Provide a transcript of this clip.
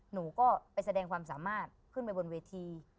หนูก็ไปแสดงความสามารถขึ้นไปบนเวที